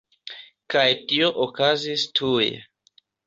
Kaj tio okazis tuj.